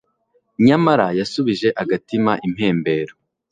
nyamara yasubije agatima impembero